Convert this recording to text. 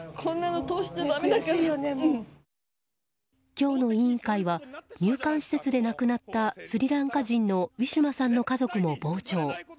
今日の委員会は入管施設で亡くなったスリランカ人のウィシュマさんの家族も傍聴。